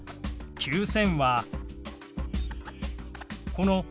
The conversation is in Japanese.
９０００。